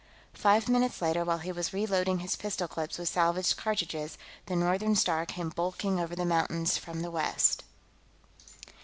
Five minutes later, while he was reloading his pistol clips with salvaged cartridges, the Northern Star came bulking over the mountains from the west.